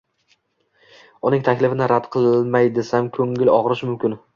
Uning taklifini rad qilay desam, ko`ngli og`rishi mumkin